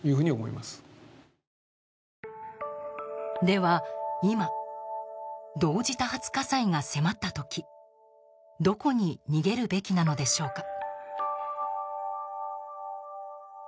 では、今同時多発火災が迫った時どこに逃げるべきなのでしょうか。